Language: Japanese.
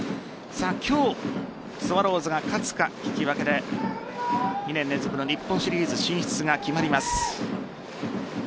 今日スワローズが勝つか引き分けで２年連続の日本シリーズ進出が決まります。